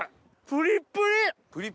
プリップリ！